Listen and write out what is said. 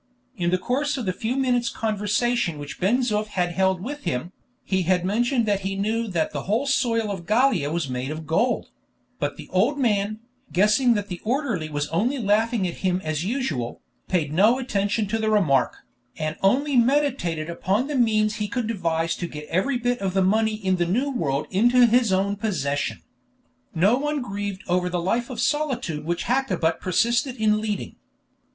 In the course of the few minutes' conversation which Ben Zoof had held with him, he had mentioned that he knew that the whole soil of Gallia was made of gold; but the old man, guessing that the orderly was only laughing at him as usual, paid no attention to the remark, and only meditated upon the means he could devise to get every bit of the money in the new world into his own possession. No one grieved over the life of solitude which Hakkabut persisted in leading.